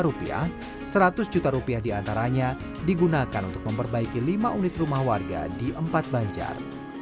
rp lima seratus juta rupiah diantaranya digunakan untuk memperbaiki lima unit rumah warga di empat banjar